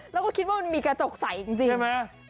แล้วก็คิดว่ามีกระจกใสจริง